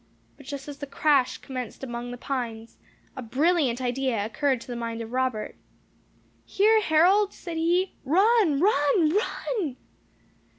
But just as the crash commenced among the pines, a brilliant idea occurred to the mind of Robert. "Here, Harold!" said he. "Run! run! run!"